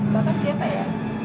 bapak siapa ya